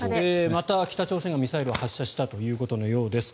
また北朝鮮がミサイルを発射したということのようです。